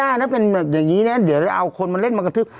ไม่ได้ถ้าเป็นแบบอย่างนี้เนี่ยเดี๋ยวเอาคนมาเล่นมากระทึบ